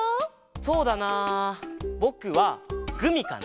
そうだなぼくはグミかな。